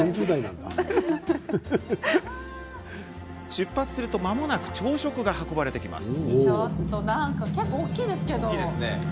出発すると、まもなく朝食が運ばれてきます。